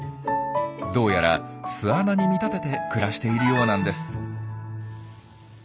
どうやら巣穴に見立てて暮らしているようなんです。